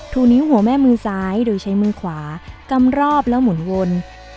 นิ้วหัวแม่มือซ้ายโดยใช้มือขวากำรอบแล้วหมุนวน